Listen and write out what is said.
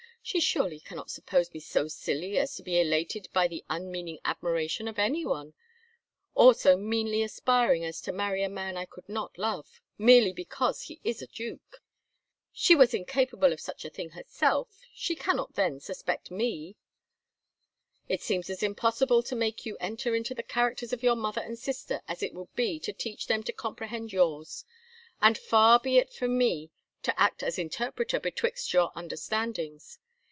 She surely cannot suppose me so silly as to be elated by the unmeaning admiration of anyone, or so meanly aspiring as to marry a man I could not love, merely because he is a Duke. She was incapable of such a thing herself, she cannot then suspect me." "It seems as impossible to make you enter into the characters of your mother and sister as it would be to teach them to comprehend yours, and far be it from me to act as interpreter betwixt your understandings.